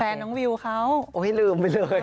แฟนน้องวิวเขาอุ๊ยลืมไปเลย